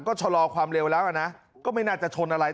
ก็ชะลอความเร็วแล้วอ่ะนะก็ไม่น่าจะชนอะไร